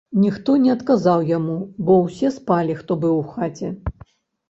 Ніхто не адказаў яму, бо ўсе спалі, хто быў у хаце.